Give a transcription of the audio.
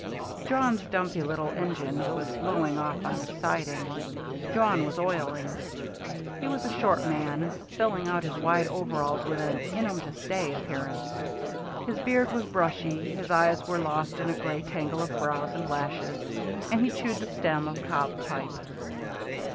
Jawn's dumpy little engine was blowing off on a siding. Jawn was oiling. He was a short man, filling out his wide overalls with an in 'em to stay appearance. His beard was brushy, his eyes were lost in a gray tangle of brows and lashes, and he chewed the stem of a cob pipe.